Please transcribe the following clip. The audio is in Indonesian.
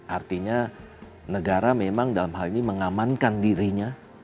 artinya negara memang dalam hal ini mengamankan dirinya